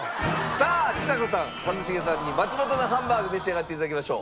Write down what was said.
さあちさ子さん一茂さんにまつもとのハンバーグ召し上がって頂きましょう。